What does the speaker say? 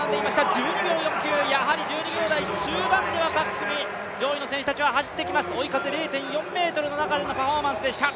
１２秒４９、やはり１２秒中盤で各組、上位の選手たちは追い風０．４メートルの中でのパフォーマンスでした。